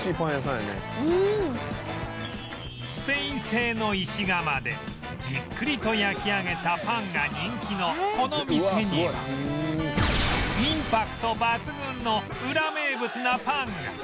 スペイン製の石窯でじっくりと焼き上げたパンが人気のこの店にはインパクト抜群のウラ名物なパンが